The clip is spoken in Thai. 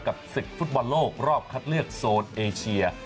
ศึกฟุตบอลโลกรอบคัดเลือกโซนเอเชีย